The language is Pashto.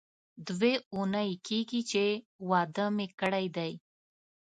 دوې اونۍ کېږي چې واده مې کړی دی.